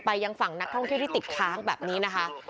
ยังฝั่งนักท่องเที่ยวที่ติดค้างแบบนี้นะคะ